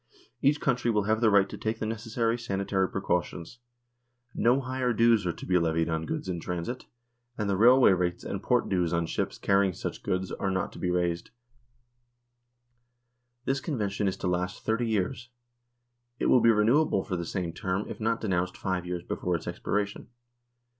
Each country will have the right to take the necessary sanitary precautions. No higher duties are to be levied on 152 NORWAY AND THE UNION WITH SWEDEN goods in transit, and the railway rates and port dues on ships carrying such goods are not to be raised This convention is to last thirty years. It will be re newable for the same term if not denounced five years before its expiration.